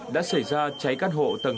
đã xảy ra cháy căn hộ tầng hai mươi